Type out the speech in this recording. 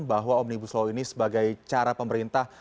bahwa omnibus law ini sebagai cara pemerintah